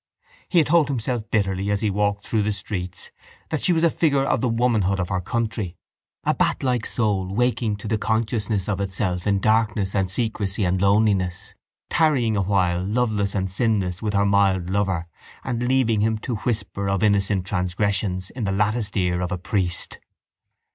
He had told himself bitterly as he walked through the streets that she was a figure of the womanhood of her country, a batlike soul waking to the consciousness of itself in darkness and secrecy and loneliness, tarrying awhile, loveless and sinless, with her mild lover and leaving him to whisper of innocent transgressions in the latticed ear of a priest.